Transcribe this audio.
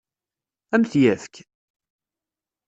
Ad m-t-yefk?